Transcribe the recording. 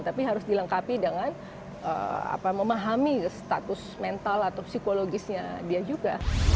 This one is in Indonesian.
tapi harus dilengkapi dengan memahami status mental atau psikologisnya dia juga